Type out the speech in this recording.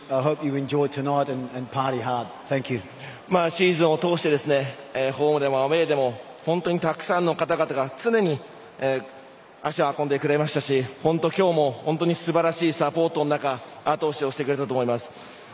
シーズンを通してホームでもアウェーでも本当にたくさんの方々が常に足を運んでくれましたし本当、今日もすばらしいサポートの中あと押しをしてくれたと思います。